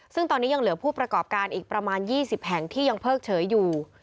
ซึ่งตอนนี้ยังเหลือผู้ประกอบการอีกประมาณ๒๐แห่งที่ยังเพิกเฉยอยู่